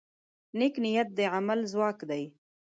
نیک نیت د عمل ځواک دی.